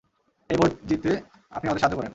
এই ভোট জিততে আপনি আমাদের সাহায্য করেন।